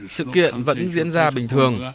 sự kiện vẫn diễn ra bình thường